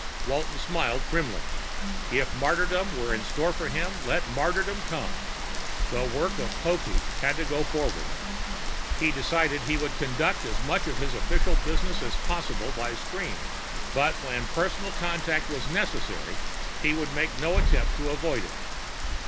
Walton smiled grimly. If martyrdom were in store for him, let martyrdom come. The work of Popeek had to go forward. He decided he would conduct as much of his official business as possible by screen; but when personal contact was necessary, he would make no attempt to avoid it.